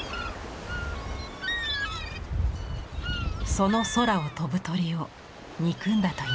その空を飛ぶ鳥を憎んだといいます。